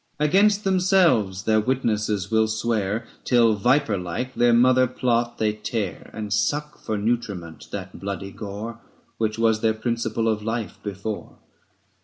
Against themselves their witnesses will swear Till, viper like, their mother plot they tear, And suck for nutriment that bloody gore Which was their principle of life before.